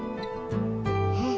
うん。